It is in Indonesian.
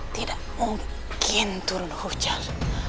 tidak mungkin turun hujan